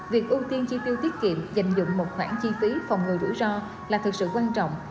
việc ưu tiên chi tiêu tiết kiệm dành dụng một khoản chi phí phòng ngừa rủi ro là thực sự quan trọng